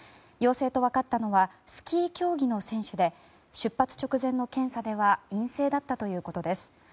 陽性と分かったのはスキー競技の選手で出発直前の検査では陰性だったということです。